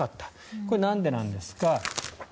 これはなんでなんですか。